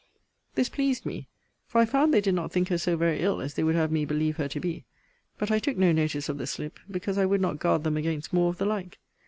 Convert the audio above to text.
This pleased me; for I found they did not think her so very ill as they would have me believe her to be; but I took no notice of the slip, because I would not guard them against more of the like.